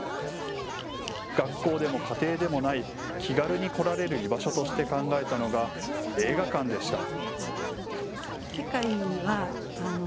学校でも家庭でもない気軽に来られる居場所として考えたのが映画館でした。